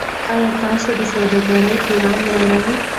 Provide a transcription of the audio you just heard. ایا تاسو د سوداګرۍ پلان لرئ.